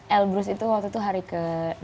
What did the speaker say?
elbrus itu waktu itu hari ke